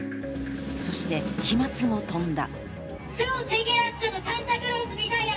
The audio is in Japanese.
そして、飛まつも飛んだ。